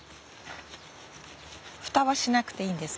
蓋はしなくていいんですか？